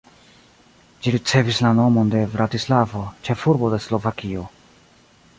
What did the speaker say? Ĝi ricevis la nomon de Bratislavo, ĉefurbo de Slovakio.